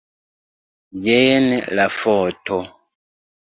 Jen la foto.